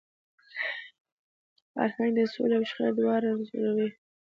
فرهنګ د سولي او شخړي دواړه انځوروي.